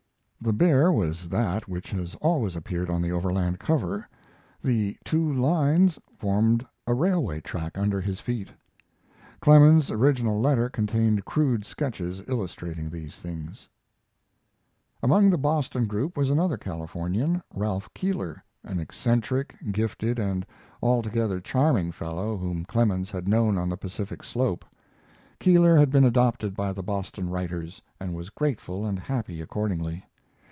[The "bear" was that which has always appeared on the Overland cover; the "two lines" formed a railway track under his feet. Clemens's original letter contained crude sketches illustrating these things.] Among the Boston group was another Californian, Ralph Keeler, an eccentric, gifted, and altogether charming fellow, whom Clemens had known on the Pacific slope. Keeler had been adopted by the Boston writers, and was grateful and happy accordingly.